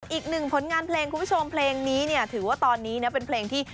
อีกหนึ่งผลงานเพลงคุณผู้ชมเพลงนี้เนี่ยถือว่าตอนนี้นะเป็นเพลงที่